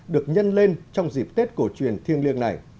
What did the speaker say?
được nhân lên trong dịp tết cổ truyền thiêng liêng này